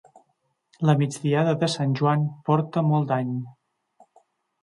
La migdiada de Sant Joan porta molt dany.